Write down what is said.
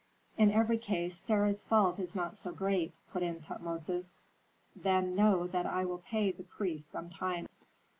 "In every case, Sarah's fault is not so great," put in Tutmosis. "Then know that I will pay the priests sometime."